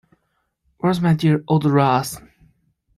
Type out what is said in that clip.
Where's my dear old Russ?